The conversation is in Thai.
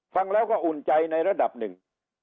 ฟังแล้วก็อุ่นใจในระดับหนึ่ง